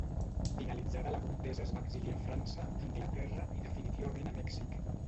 Finalitzada la contesa es va exiliar França, Anglaterra i definitivament a Mèxic.